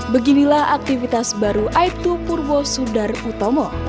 beginilah aktivitas baru aibtu purwo sudar utomo